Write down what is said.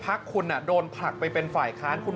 พักคุณโดนผลักไปเป็นฝ่ายค้านคุณ